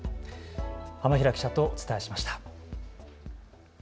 浜平記者とお伝えしました。